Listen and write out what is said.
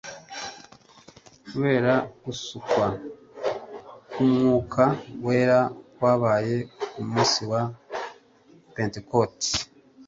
kubera gusukwa k'Umwuka wera kwabaye ku munsi wa Pantekoti,